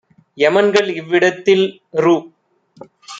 எமன்கள் இவ்விடத்தில்!ரு